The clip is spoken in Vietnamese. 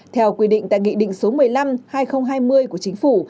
theo quy định tại nghị định số một mươi năm hai nghìn hai mươi của chính phủ